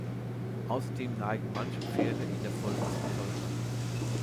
Außerdem neigen manche Pferde in der Folge zum Stolpern.